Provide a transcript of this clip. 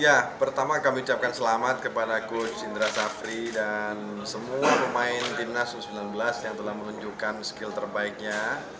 ya pertama kami ucapkan selamat kepada coach indra safri dan semua pemain timnas u sembilan belas yang telah menunjukkan skill terbaiknya